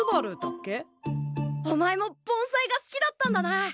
お前も盆栽が好きだったんだな！